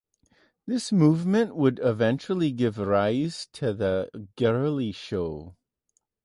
This movement would eventually give rise to the "girlie show".